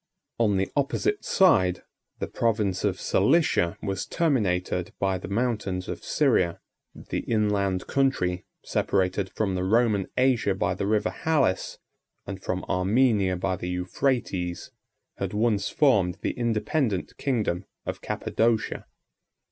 On the opposite side, the province of Cilicia was terminated by the mountains of Syria: the inland country, separated from the Roman Asia by the River Halys, and from Armenia by the Euphrates, had once formed the independent kingdom of Cappadocia.